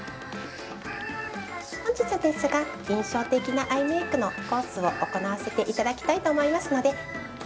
本日ですが印象的なアイメークのコースを行わせていただきたいと思いますので。